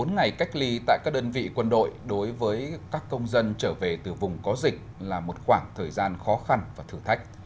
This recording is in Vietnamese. một mươi ngày cách ly tại các đơn vị quân đội đối với các công dân trở về từ vùng có dịch là một khoảng thời gian khó khăn và thử thách